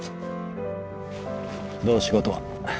どう仕事は？